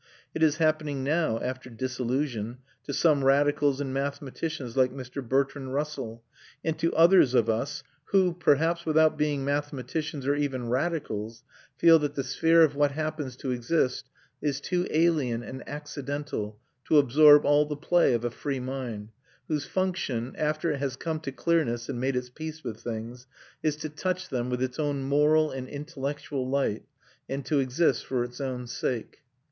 It is happening now, after disillusion, to some radicals and mathematicians like Mr. Bertrand Russell, and to others of us who, perhaps without being mathematicians or even radicals, feel that the sphere of what happens to exist is too alien and accidental to absorb all the play of a free mind, whose function, after it has come to clearness and made its peace with things, is to touch them with its own moral and intellectual light, and to exist for its own sake.